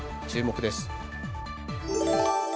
注目です。